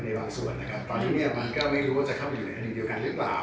บางส่วนนะครับตอนนี้เนี่ยมันก็ไม่รู้ว่าจะเข้าไปอยู่ในคดีเดียวกันหรือเปล่า